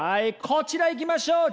こちらいきましょう！